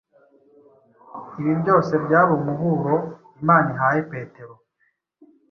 Ibi byose byari umuburo Imana ihaye Petero